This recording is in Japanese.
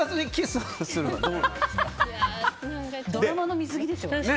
ドラマの見過ぎでしょ。